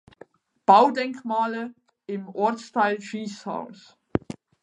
Baudenkmale im Ortsteil Schießhaus.